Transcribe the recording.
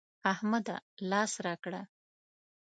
احمده! لاس راکړه.